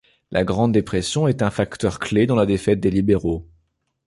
La Grande Dépression est un facteur clé dans la défaite des libéraux.